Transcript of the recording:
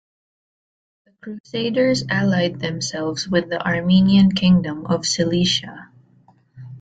The Crusaders allied themselves with the Armenian Kingdom of Cilicia.